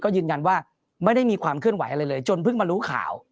ก็ยืนยันว่าไม่ได้มีความเคลื่อนไหวอะไรเลยจนเพิ่งมารู้ข่าว